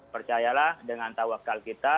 percayalah dengan tawakal kita